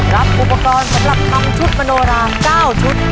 รับอุปกรณ์สำหรับทำชุดมโนรา๙ชุด